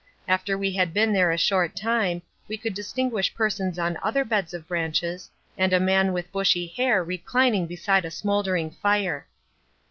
After we had been there a short time, we could distinguish persons on other beds of branches, and a man with bushy hair reclining beside a smouldering fire.